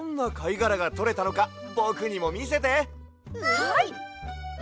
はい！